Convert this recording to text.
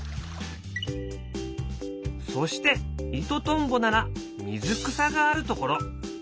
そしてイトトンボなら水草があるところ。